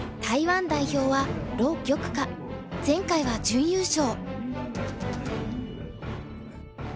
前回は準優勝。